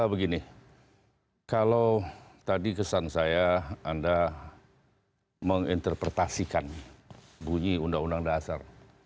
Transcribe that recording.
begini kalau tadi kesan saya anda menginterpretasikan bunyi undang undang dasar